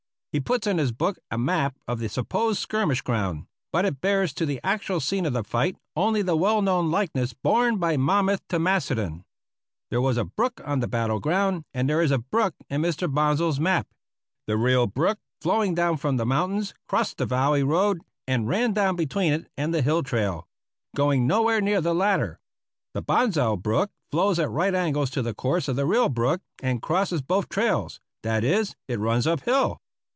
He puts in his book a map of the supposed skirmish ground; but it bears to the actual scene of the fight only the well known likeness borne by Monmouth to Macedon. There was a brook on the battle ground, and there is a brook in Mr. Bonsal's map. The real brook, flowing down from the mountains, crossed the valley road and ran down between it and the hill trail, going nowhere near the latter. The Bonsal brook flows at right angles to the course of the real brook and crosses both trails that is, it runs up hill.